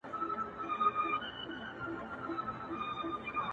هغه ورځ چي نه لېوه نه قصابان وي!!